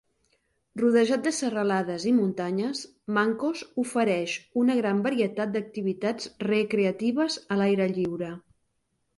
Rodejat de serralades i muntanyes, Mancos ofereix una gran varietat de activitats recreatives a l"aire lliure.